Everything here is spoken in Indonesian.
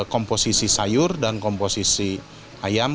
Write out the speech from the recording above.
komposisi sayur dan komposisi ayam